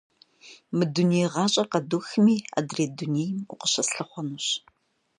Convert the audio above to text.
Мы дуней гъащӏэр къэдухми, адрей дунейм укъыщыслъыхъуэнущ.